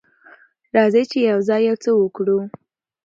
راځئ چې یوځای یو څه وکړو.